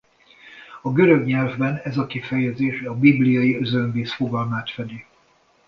A görög nyelvben ez a kifejezés a bibliai özönvíz fogalmát fedi.